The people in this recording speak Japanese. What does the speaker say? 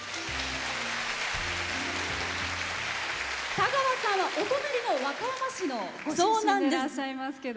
田川さんはお隣の和歌山市のご出身でいらっしゃいますけど。